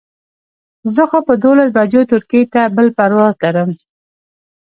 زه خو په دولس بجو ترکیې ته بل پرواز لرم.